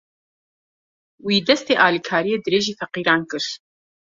Wî, destê alîkariyê dirêjî feqîran kir.